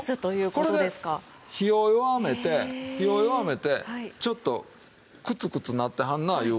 これで火を弱めて火を弱めてちょっとクツクツなってはるなぁいう。